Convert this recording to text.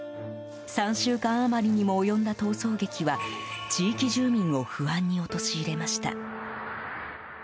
３週間余りにも及んだ逃走劇は地域住民を不安に陥れました。